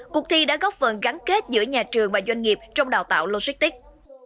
cuộc thi đã góp phần gắn kết giữa nhà trường và doanh nghiệp trong đào tạo logistics